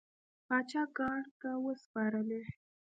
پاچا ګارد ته وسپارلې.